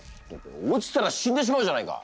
落ちたら死んでしまうじゃないか！